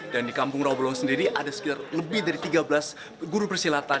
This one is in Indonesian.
dan di kampung rawabelong sendiri ada sekitar lebih dari tiga belas guru persilatan